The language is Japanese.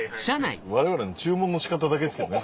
われわれの注文の仕方だけですけどね